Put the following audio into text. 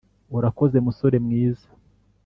urakoze, musore mwiza.